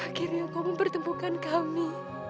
agar kamu bertemukan kami